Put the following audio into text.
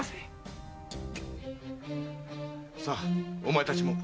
さあお前たちも。